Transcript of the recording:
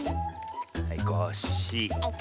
はいコッシー。